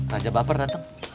raja baper datang